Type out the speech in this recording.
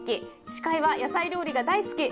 司会は野菜料理が大好き